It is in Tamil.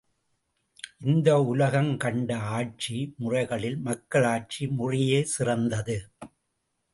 இந்த உலகம் கண்ட ஆட்சி முறைகளில் மக்களாட்சி முறையே சிறந்தது.